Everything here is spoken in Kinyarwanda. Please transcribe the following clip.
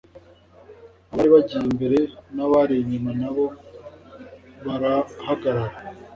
abari bagiye imbere n'abari inyuma na bo barahagarara,